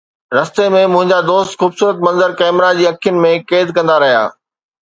رستي ۾، منهنجا دوست خوبصورت منظر ڪئميرا جي اکين ۾ قيد ڪندا رهيا